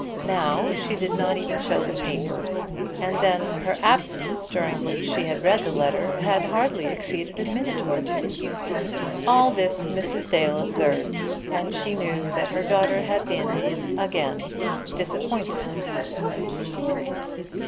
Now, she did not even show the paper; and then her absence, during which she had read the letter, had hardly exceeded a minute or two. All this Mrs. Dale observed, and she knew that her daughter had been again disappointed.